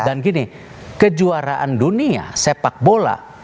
dan gini kejuaraan dunia sepak bola